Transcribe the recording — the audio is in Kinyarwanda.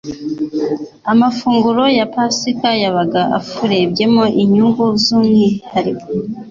Amafunguro ya Pasika yabaga afurebyemo inyungu z'umwihariko,